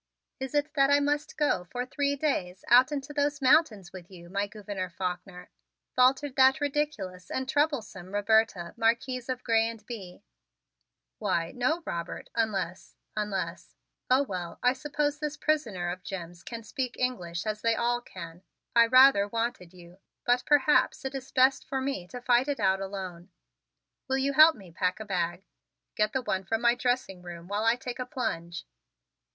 "Is it that I must go for three days out into those mountains with you, my Gouverneur Faulkner?" faltered that ridiculous and troublesome Roberta, Marquise of Grez and Bye. "Why, no, Robert, unless unless Oh, well, I suppose this prisoner of Jim's can speak English as they all can. I rather wanted you but perhaps it is best for me to fight it out alone. Will you help me pack a bag? Get the one from my dressing room while I take a plunge."